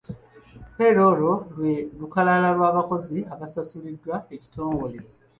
Payroll lwe lukalala lw'abakozi abasasulibwa ekitongole.